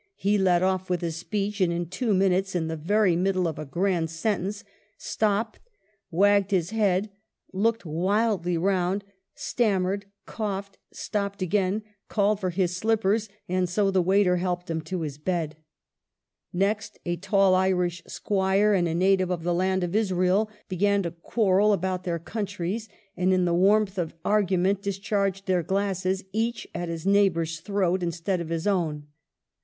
he led off with a speech, and in two minutes, in the very middle of a grand sen tence, stopped, wagged his head, looked wildly round, stammered, coughed, stopped again, called for his slippers, and so the waiter helped him to bed. Next a tall Irish squire and a native of the land of Israel began to quarrel about their countries, and in the warmth of argument dis charged their glasses each at his neighbor's throat, instead of his own.